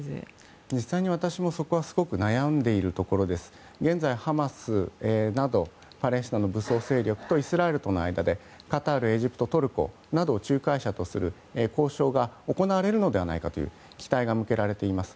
実際に私もそこはすごく悩んでいるところで現在、ハマスなどパレスチナの武装勢力とイスラエルとの間で、カタールエジプト、トルコなどを仲介者とする交渉が行われるのではないかという期待が向けられています。